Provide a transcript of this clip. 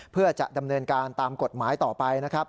เพื่อจะดำเนินการตามกฎหมายต่อไปนะครับ